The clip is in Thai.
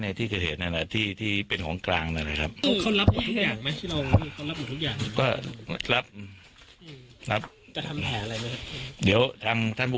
อะครับ